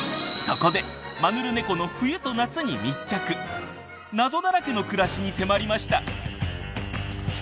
そこでマヌルネコの謎だらけの暮らしに迫りました！